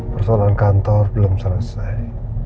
persoalan kantor belum selesai